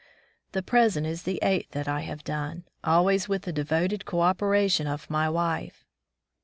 The present is the eighth that I have done, always with the devoted co operation of my wife.